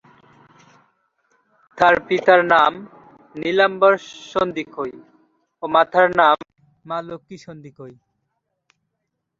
তার পিতার নাম নীলাম্বর সন্দিকৈ ও মাতার নাম মা-লক্ষী সন্দিকৈ।